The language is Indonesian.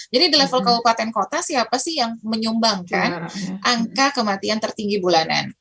jadi di level kabupaten kota siapa sih yang menyumbangkan angka kematian tertinggi bulanan